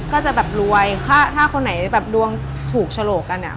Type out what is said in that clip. ก็จะแบบรวยถ้าคนไหนแบบดวงถูกฉลกกันเนี่ย